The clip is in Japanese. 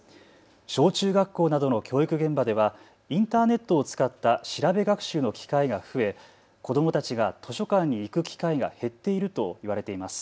小中学校などの教育現場ではインターネットを使った調べ学習の機会が増え子どもたちが図書館に行く機会が減っているといわれています。